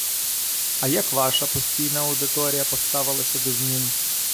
А як ваша постійна аудиторія поставилася до змін?